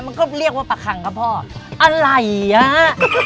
มันก็เรียกว่าประคังครับพ่ออะไรอ่ะ